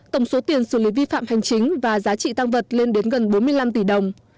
tổng số tiền xử lý vi phạm hành chính và giá trị tăng vật lên đến gần bốn mươi năm tỷ đồng